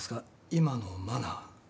今のマナー。